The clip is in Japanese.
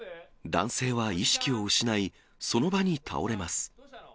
男性は意識を失い、その場に倒れます。